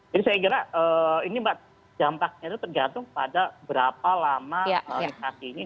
jadi saya kira ini mbak dampaknya itu tergantung pada berapa lama saat ini